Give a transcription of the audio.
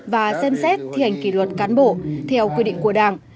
và xem xét thi hành kỷ luật cán bộ theo quy định của đảng